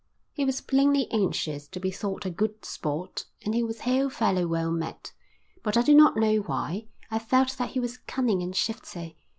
He was plainly anxious to be thought a "good sport" and he was hail fellow well met; but, I do not know why, I felt that he was cunning and shifty.